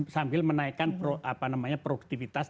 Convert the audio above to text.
sambil menaikkan produktivitas